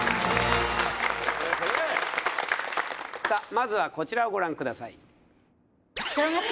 さあまずはこちらをご覧ください